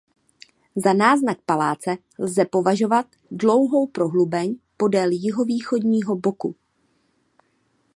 Za náznak paláce lze považovat dlouhou prohlubeň podél jihovýchodního boku.